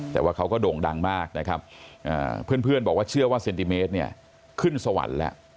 แต่ว่าเขาก็โด่งดังมากนะครับเพื่อนบอกว่าเชื่อว่าเซนติเมตรเนี่ยขึ้นสวรรค์แล้ว